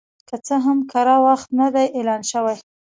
که څه هم کره وخت نه دی اعلان شوی